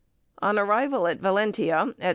On arrival at Valentia at 6.